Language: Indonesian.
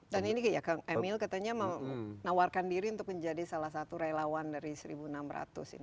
dan ini kak emil katanya menawarkan diri untuk menjadi salah satu relawan dari satu enam ratus ini